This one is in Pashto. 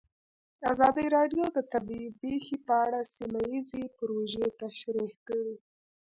ازادي راډیو د طبیعي پېښې په اړه سیمه ییزې پروژې تشریح کړې.